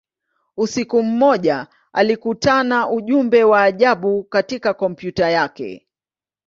Usiku mmoja, alikutana ujumbe wa ajabu katika kompyuta yake.